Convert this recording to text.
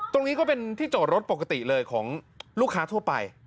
ตรงนี้ก็เป็นที่จอดรถปกติเลยของลูกค้าทั่วไป